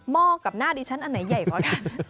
อกกับหน้าดิฉันอันไหนใหญ่กว่ากัน